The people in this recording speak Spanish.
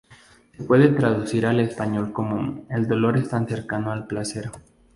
Se puede traducir al español como ""El dolor es tan cercano al placer"".